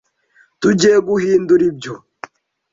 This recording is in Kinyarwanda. Tugiye guhindura ibyo.